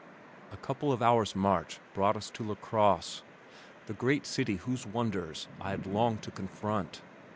A couple of hours' march brought us to LaCrosse, the great city whose wonders I had longed to confront.